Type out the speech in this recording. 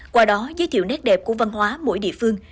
qua đó giới thiệu nét đẹp của văn hóa mỗi địa phương